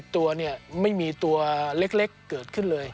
ตัวเนี่ยไม่มีตัวเล็กเกิดขึ้นเลย